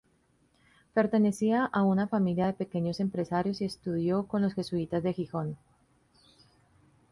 Pertenecía a una familia de pequeños empresarios y estudió con los jesuitas de Gijón.